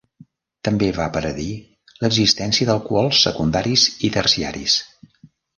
També va predir l'existència d'alcohols secundaris i terciaris.